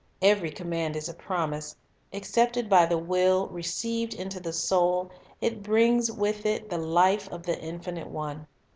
Every command is a promise; accepted by the will, received into the soul, it brings with it the life of the Infinite One.